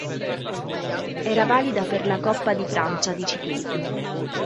Era valida per la Coppa di Francia di ciclismo.